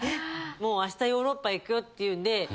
もう明日ヨーロッパ行くよっていうんで。